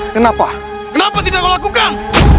kenapa kenapa tidak melakukan